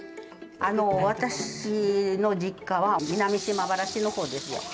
あの私の実家は南島原市の方ですよ。